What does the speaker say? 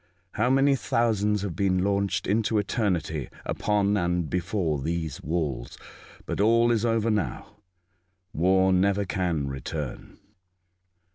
How many thousands have been launched into eternity upon and before these walls ! But all is over now. War never can return."